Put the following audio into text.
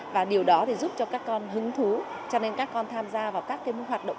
và điều đó thì giúp cho các con hứng thú cho nên các con tham gia vào các hoạt động